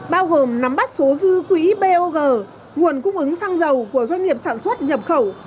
bao gồm nắm bắt số dư quỹ bog nguồn cung ứng xăng dầu của doanh nghiệp sản xuất nhập khẩu